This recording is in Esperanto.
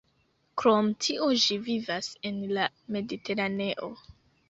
Krom tio ĝi vivas en la Mediteraneo.